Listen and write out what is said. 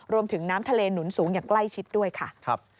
รวมถึงน้ำทะเลหนุนสูงอย่างใกล้ชิดด้วยค่ะ